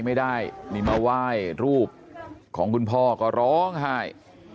ไม่ได้นี่มาไหว้รูปของคุณพ่อก็ร้องไห้